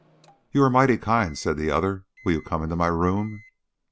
"You are mighty kind," said the other. "Will you come into my room?"